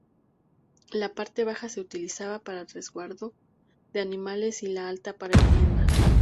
La parte baja se utilizaba para resguardo de animales y la alta para vivienda.